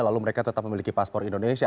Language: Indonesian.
lalu mereka tetap memiliki paspor indonesia